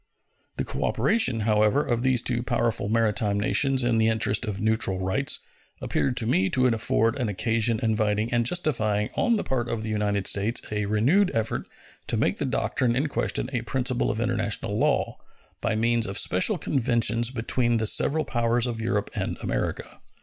The cooperation, however, of these two powerful maritime nations in the interest of neutral rights appeared to me to afford an occasion inviting and justifying on the part of the United States a renewed effort to make the doctrine in question a principle of international law, by means of special conventions between the several powers of Europe and America.